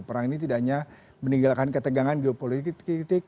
perang ini tidak hanya meninggalkan ketegangan geopolitik